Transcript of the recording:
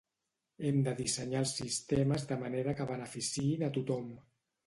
Hem de dissenyar els sistemes de manera que beneficiïn a tothom.